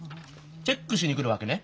チェックしに来るわけね。